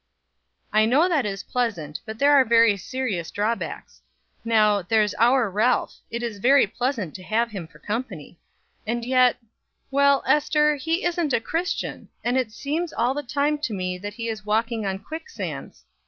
"I know that is pleasant; but there are very serious drawbacks. Now, there's our Ralph, it is very pleasant to have him for company; and yet Well, Ester, he isn't a Christian, and it seems all the time to me that he is walking on quicksands.